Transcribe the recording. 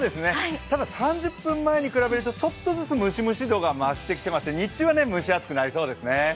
ただ、３０分前に比べるとちょっとずつムシムシ度が増してきまして日中は蒸し暑くなりそうですね。